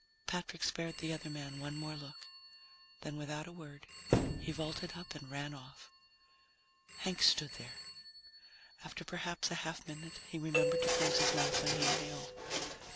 Patrick spared the other man one more look. Then, without a word, he vaulted up and ran off. Hank stood there. After perhaps a half minute he remembered to close his mouth when he inhaled.